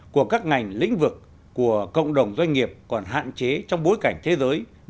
của các ngành lĩnh vực của cộng đồng doanh nghiệp còn hạn chế trong bối cảnh thế giới